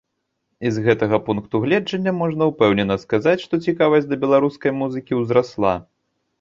І з гэтага пункту гледжання можна ўпэўнена сказаць, што цікавасць да беларускай музыкі ўзрасла.